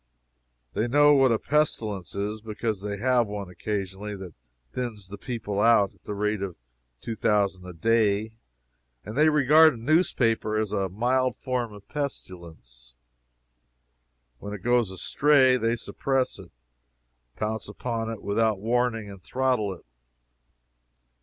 They know what a pestilence is, because they have one occasionally that thins the people out at the rate of two thousand a day, and they regard a newspaper as a mild form of pestilence. When it goes astray, they suppress it pounce upon it without warning, and throttle it.